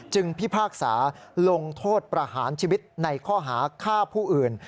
พิพากษาลงโทษประหารชีวิตในข้อหาฆ่าผู้อื่น